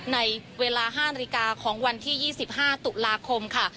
ในเวลา๕นาฬิกาของวันที่๒๕ตุลาคมค่ะ